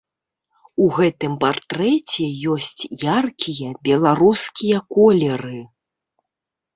У гэтым партрэце ёсць яркія беларускія колеры.